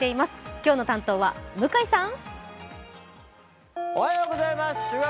今日の担当は向井さん！